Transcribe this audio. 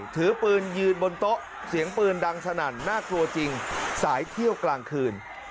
ถือปืนยืนบนโต๊ะเสียงปืนดังสนั่นน่ากลัวจริงสายเที่ยวกลางคืน